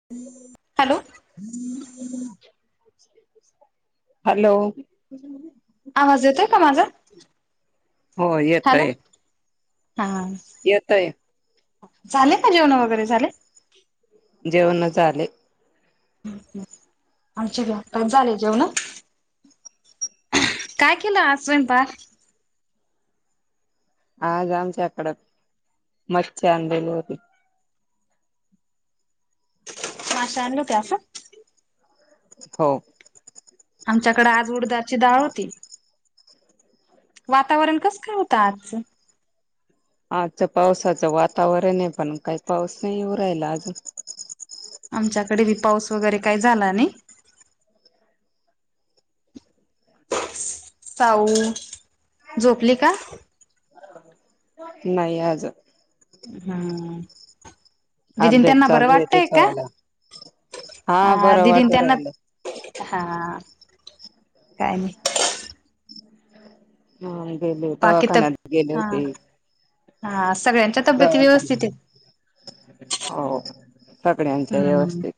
[inaudible] Hello! Hello! आवाज येतोय का माझा? हो हॅलो येतय. हा. येतय. झाले का जेवण वगैरे झाले? जेवण झाले. ह आमचे बी झाले जेवण. काय केला आज स्वयंपाक? आज आमच्याकडं मच्छी आणलेली होती. माशे आणले होते असं? हो. आमच्याकडे आज उडदाची डाळ होती. वातावरण कसं काय होतं आजच? आजच पावसाचं वातावरण आहे पण काही पाऊस नाही येऊन राहिला अजून. आमच्याकडे बी पाऊस वगैरे काय झाला नाही. साऊ झोपली का? नाही आज. हम्म दिदीन् अभ्यास त्यांना बरं चालू आहे वाटतय का? त्याच्यावाला हा बरं दिदीन वाटू त्यांना राहिलं हा काय नाही हा गेले बाकी तर दवाखान्यात गेले हा होते. हा सगळ्यांच्या तब्येती व्यवस्थित आहेत हो. सगळ्यांच्या हम्म. व्यवस्थित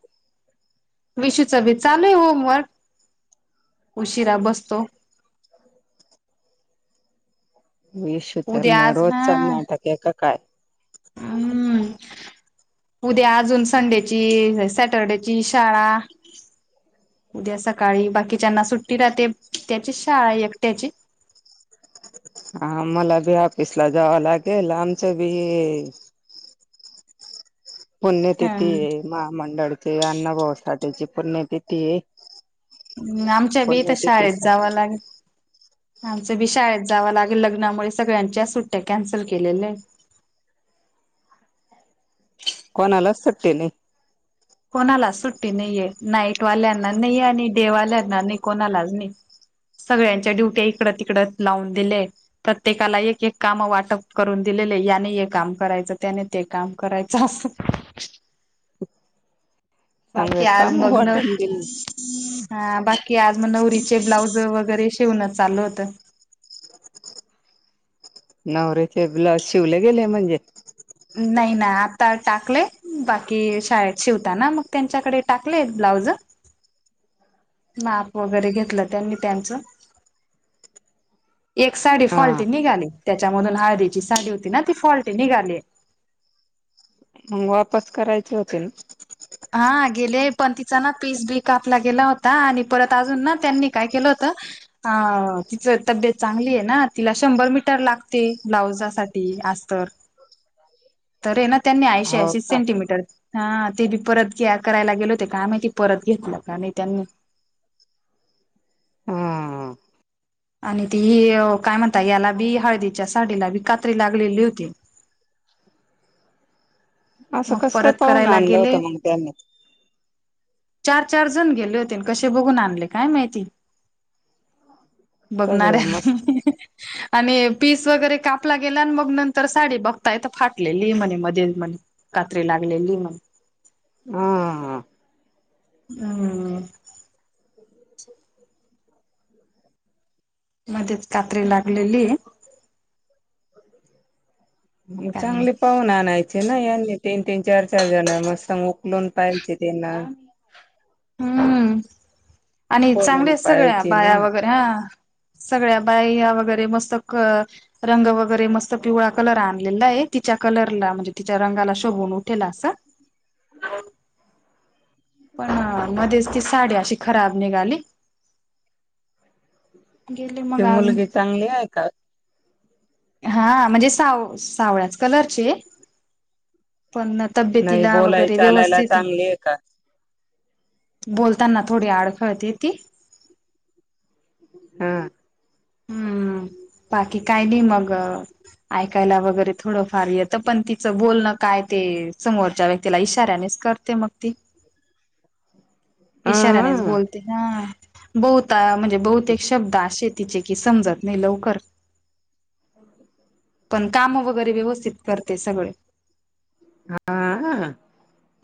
विशूचा बी चालू आहे होमवर्क उशिरा बसतो. विशू तर उद्या न आज ना रोजच नाटक आहे का काय? हम्म. उद्या अजून संडेची सॅटर्डेची शाळा उद्या सकाळी बाकीच्यांना सुट्टी राहते, त्याचीच शाळा एकट्याची. हा मला बी ऑफिस ला जावं लागेल आमचं बी हा पुण्यतिथी आहे महामंडळची अन्नभाऊसाठीची पुण्यतिथी आहे. हम् आमच्या बी इथ शाळेत पुण्यतिथीसाठी जावं लागेल. आमचं बी शाळेत जावं लागेल लग्नामुळे सगळ्यांच्या या सुट्ट्या कॅन्सल केलेल्या आहेत. कोणालाच सुट्टी नाही कोणालाच सुट्टी नाहीे नाईटवाल्यांना नाही आणि डे वाल्यांना नाही कोणालाच नाही. सगळ्यांच्या ड्युट्या इकत तिकड लावून दिल्या आहेत. प्रत्येकाला एक एक काम वाटप करून दिलेले याने हे काम करायचं त्याने ते काम करायचं असं. [inaudible] बाकी चांगले आज काम मग न वाटून दिली हा बाकी आज मग नवरीचे ब्लाऊज वगैरे शिवण चाल होत. नवरीचे ब्लाउज शिवले गेले म्हणजे? नाही ना आता टाकलेय बाकी शाळेत शिवताना मग त्यांच्याकडे टाकलेय ब्लाऊज. माप वगैरे घेतलं त्यांनी त्यांचं एक साडी हा फॉल्टी निघाली त्याच्यामधून हळदीची साडी होती ना ती फॉल्टी निघाली. मग वापस करायची होती न हा गेले पण तिचा ना पीस बी कापला गेला होता आणि परत अजून ना त्यांनी काय केलं होत अ तिचं तब्येत चांगली आहे ना तिला शंभर मीटर लागते ब्लाउजासाठी आस्तर तरी ना त्यांनी ऐशी- हो ऐशी का सेंटीमीटर हा ते ब परत घ्या करायला गेलो का माहिती ते परत घेतलं का नाही त्यां.... हा आणि ती ही ओ काय म्हणता, याला बी हळदिच्या साडीला बी कात्री लागलेली होती. असं मग कसं काय परत पाहून करायला आणलं गेले.... होतं मग त्यांनी चार चार जण गेले होते, अन कसे बघून आणले काय माहिती सगळं बघणाऱ्या मस्त आणि पीस वगैरे कापला गेला, अन मग नंतर साडी बघताय, तर फाटलेली म्हणे मध्ये म्हणे कात्री लागलेली मग हम हम् मध्येच कात्री लागलेलीय मग काही चांगली पाहून आणायची ना, यांनी तीन तीन चार चार जण म संग लोन पाहिजे त्यांना हम्म आणि बोलून चांगलेत सगळ्या पाहायचे बाया ना वगैरे हा सगळ्या बाईया वगैरे मस्त रंग वगैरे मस्त पिवळा कलर आणलेला आहे, तिच्या कलरला म्हणजे तिच्या रंगाला शोभून उठेल असा पण मध्येच ती साडी अशी खराब निघाली गेले ती मग अजून मुलगी चांगली आहे का? हा म्हणजे साव सावळ्याच कलरचीये पन् नाही तब्येतीला बोलाय वगैरे चालायला व्यवस्थित ये चांगली आहे का? बोलतांना थोडी आडखळते ती हम्म हम्म बाकी काय बी मग ऐकायला वगैरे थोडंफार येतं, पण तिचं बोलणं काय ते समोरच्या व्यक्तीला इशाऱ्यानेच कर ते मग ती इशाऱ्यानेच हा बोलते ना बहुता म्हणजे बहुतेक शब्द अशे तिचे की समजत नाही लवकर [inaudible] पण काम वगैरे व्यवस्थित करते सगळे हाआ हाआ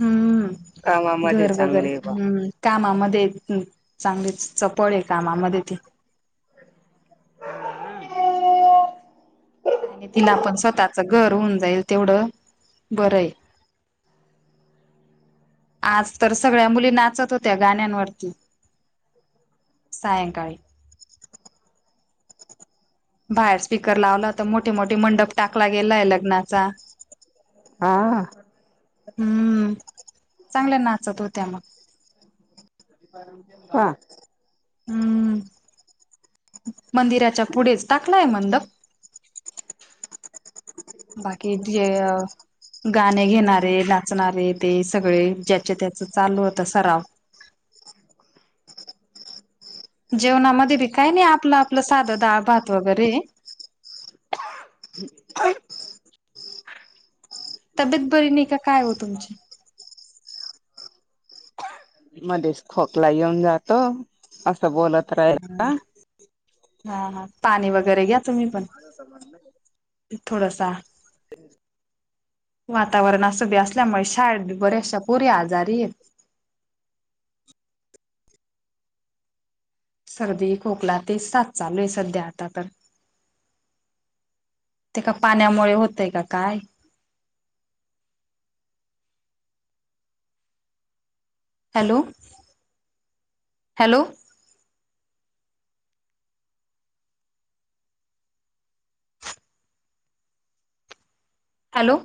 हम्म घर वगैरे चांगले बा हम्म कामामध्ये हं.. चांगलीच चपळ आहे कामामध्ये ती, आणि, तिला पण स्वतःच घर होऊन जाईल तेवढं बरं आहे. आज तर सगळ्या मुली नाचत होत्या गाण्यांवरती सायंकाळी बाहेर स्पीकर लावला, तर मोठे मोठे मंडप टाकला गेलाय लग्नाचा हा हम्म चांगल्या नाचत होत्या मग हा हम् मंदिराच्या पुढेच टा नाही मंडप बाकी जे गाणे घेणारे नाचणारे ते सगळे ज्याचे त्याच चालू होत सराव जेवणामध्ये बी काय नाही, आपलं आपलं साधं दाळ भात वगैरे हम तब्येत बरी नाही का काय हो तुमची? मध्येच खोकला येऊन जातो, असं बोलत राहिला हां हां पाणी वगैरें घ्यां तुम्हीं पणं काऊंन असं म्हणूं रांयली थोडांसां हम्मं वातांवरण असं बी असल्यांमुळे शाळेत बी बऱ्यांचशा पोरीे आजांरी आहेतं सर्दी खोकलां ते सात चालूं आहे संध्या आंता तरं. ते कां पाण्यांमुळे होतंय कां कायं. Hello hello. हॅलो.